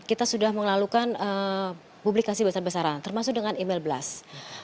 kita sudah mengelalukan publikasi besar besaran termasuk dengan email blast